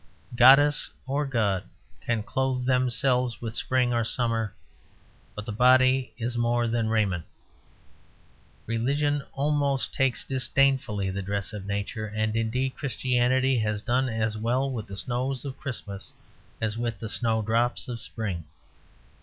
Goddess or god can clothe themselves with the spring or summer; but the body is more than raiment. Religion takes almost disdainfully the dress of Nature; and indeed Christianity has done as well with the snows of Christmas as with the snow drops of spring.